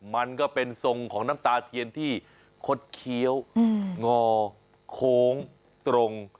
มันก็เป็นทรงของน้ำตาเทียนที่คดเคี้ยวงอโค้งตรง